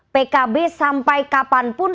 pkb sampai kapanpun